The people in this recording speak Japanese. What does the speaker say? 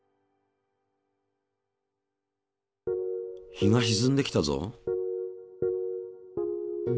日がしずんできたぞ。